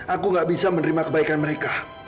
aku gak bisa menerima kebaikan mereka